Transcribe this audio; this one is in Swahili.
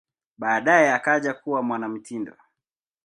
Baadaye akaja kuwa mwanamitindo.